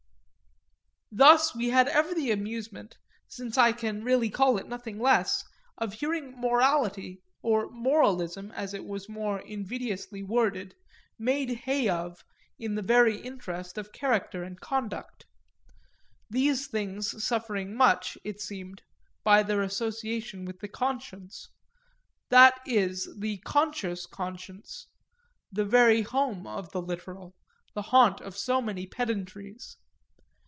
Thus we had ever the amusement, since I can really call it nothing less, of hearing morality, or moralism, as it was more invidiously worded, made hay of in the very interest of character and conduct; these things suffering much, it seemed, by their association with the conscience that is the conscious conscience the very home of the literal, the haunt of so many pedantries.